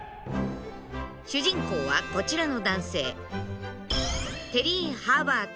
主人公はこちらの男性。